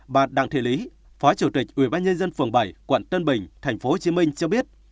bà đặng thị lý phó chủ tịch ubnd phường bảy quận tân bình tp hcm cho biết